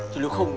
chịu được không